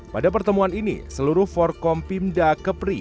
pada pertemuan ini seluruh forkom pimda kepri